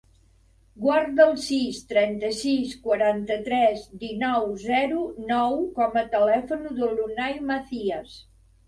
Guarda el sis, trenta-sis, quaranta-tres, dinou, zero, nou com a telèfon de l'Unay Macias.